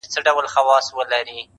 • لاس دي رانه کړ اوبو چي ډوبولم -